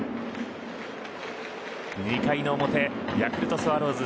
２回の表ヤクルトスワローズ